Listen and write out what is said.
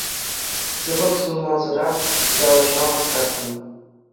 Сывлӑх сунмасӑрах ыталашма васкатӑн.